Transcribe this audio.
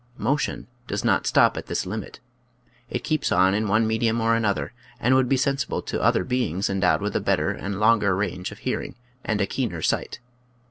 Motion does not stop at this limit. It keeps on in one medium or another and would be sensible to other beings endowed with a better and longer range of hearing and a keener sight.